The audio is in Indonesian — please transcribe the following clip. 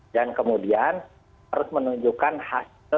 dan kemudian harus menunjukkan hasilnya